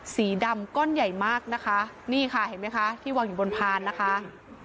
สีดำก้อนใหญ่มากนะคะนี่ค่ะเห็นไหมคะที่วางอยู่บนพานนะคะ